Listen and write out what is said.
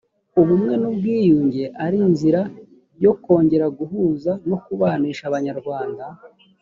ubumwe n ubwiyunge ari inzira yo kongera guhuza no kubanisha abanyarwanda